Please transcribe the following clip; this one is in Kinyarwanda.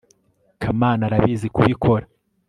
kamana arabizi kubikora